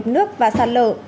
nước và sàn lở